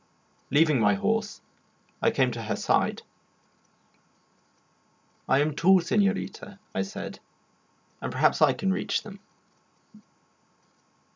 Leaving my horse, I came to her side. "I am tall, señorita," I said, "and can perhaps reach them."